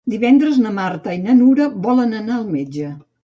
Divendres na Marta i na Nura volen anar al metge.